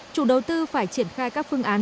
chủ đầu tư phải triển khai các phương án